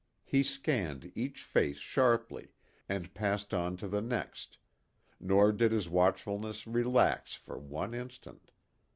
He scanned each face sharply, and passed on to the next; nor did his watchfulness relax for one instant.